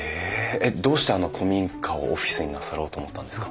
えっどうして古民家をオフィスになさろうと思ったんですか？